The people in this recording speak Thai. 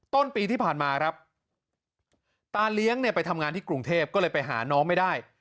ต้นปีที่ผ่านมาครับตาเลี้ยงเนี่ยไปทำงานที่กรุงเทพก็เลยไปหาน้องไม่ได้